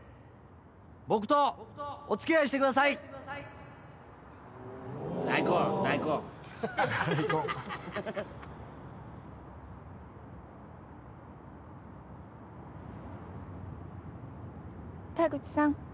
「僕とお付き合いしてください」「田口さん」